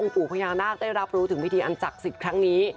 องค์ปู่พญานาคได้รับรู้ถึงวิธีอันจักรสิบครั้งนี้